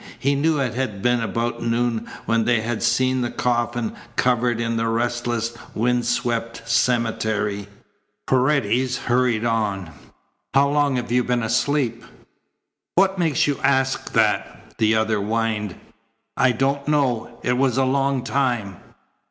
He knew it had been about noon when they had seen the coffin covered in the restless, wind swept cemetery. Paredes hurried on. "How long had you been asleep?" "What makes you ask that?" the other whined. "I don't know." "It was a long time?"